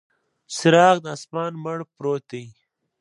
څراغ د اسمان، مړ پروت دی